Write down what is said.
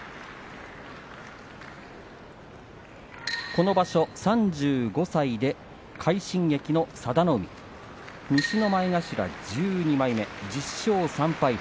この場所、３５歳で快進撃の佐田の海西の前頭１２枚目、１０勝３敗。